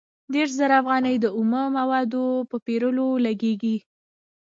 دېرش زره افغانۍ د اومه موادو په پېرلو لګېږي